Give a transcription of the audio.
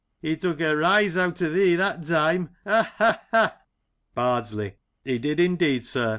He took a rise out o' thee that time. Ha ! ha ! ha 1 Bardsley : He did indeed, su*.